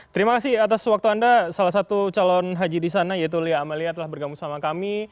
terima kasih atas waktu anda salah satu calon haji di sana yaitu lia amalia telah bergabung sama kami